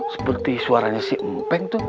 seperti suaranya si mpeng